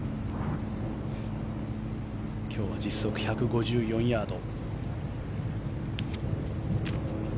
今日は実測１５４ヤード。